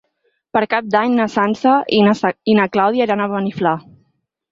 Per Cap d'Any na Sança i na Clàudia iran a Beniflà.